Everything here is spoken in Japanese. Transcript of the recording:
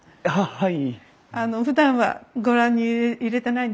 はい。